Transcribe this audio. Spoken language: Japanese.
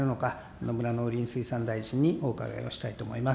野村農林水産大臣にお伺いをしたいと思います。